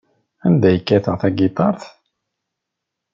Anda ay kkateɣ tagiṭart?